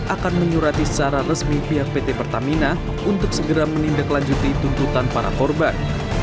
akan menyurati secara resmi pihak pt pertamina untuk segera menindaklanjuti tuntutan para korban